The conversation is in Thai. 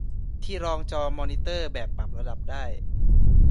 ที่รองจอมอนิเตอร์แบบปรับระดับได้